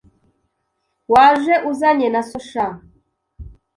Waje uzanye na so sha